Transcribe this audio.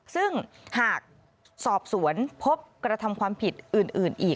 ซึ่งหากสอบสวนพบกระทำความผิดอื่นอีก